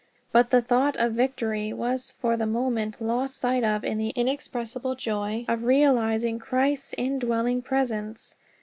But the thought of victory was for the moment lost sight of in the inexpressible joy of realizing CHRIST'S INDWELLING PRESENCE!